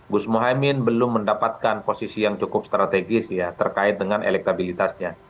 gus mohaimin belum mendapatkan posisi yang cukup strategis ya terkait dengan elektabilitasnya